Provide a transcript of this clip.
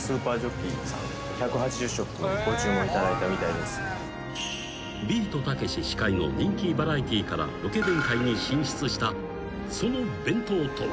「ご注文いただいたみたいです」［ビートたけし司会の人気バラエティーからロケ弁界に進出したその弁当とは］